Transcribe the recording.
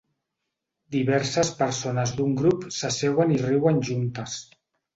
Diverses persones d'un grup s'asseuen i riuen juntes.